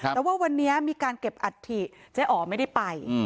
แต่ว่าวันนี้มีการเก็บอัฐิเจ๊อ๋อไม่ได้ไป